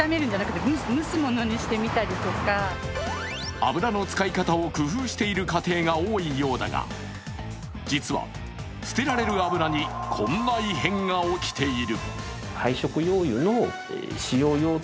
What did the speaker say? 油の使い方を工夫している家庭が多いようだが、実は捨てられる油にこんな異変が起きている。